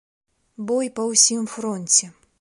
Бой па ўсім фронце.